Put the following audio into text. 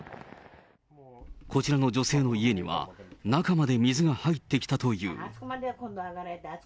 こちらの女性の家には、中まで水が入ってきたという。